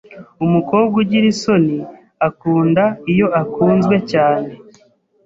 Umukobwa ugira isoni akunda iyo akunzwe cyane